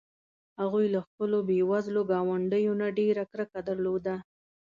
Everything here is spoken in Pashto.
هغوی له خپلو بې وزلو ګاونډیو نه ډېره کرکه درلوده.